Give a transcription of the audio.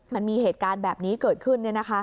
มันมีเหตุการณ์แบบนี้เกิดขึ้น